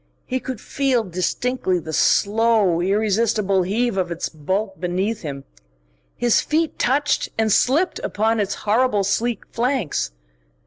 He could feel distinctly the slow, irresistible heave of its bulk beneath him. His feet touched and slipped upon its horrible sleek flanks.